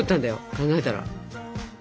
考えたら。